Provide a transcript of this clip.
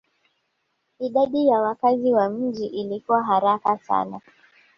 Idadi ya wakazi wa mji ilikua haraka sana